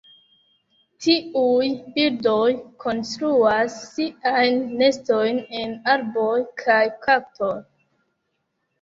Tiuj birdoj konstruas siajn nestojn en arboj kaj kaktoj.